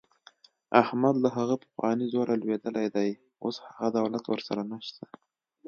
احمد له هغه پخواني زوره لوېدلی دی. اوس هغه دولت ورسره نشته.